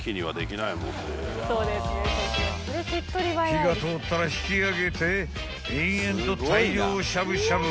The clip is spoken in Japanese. ［火が通ったら引きあげて延々と大量しゃぶしゃぶ］